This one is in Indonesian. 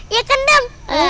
iya kan dam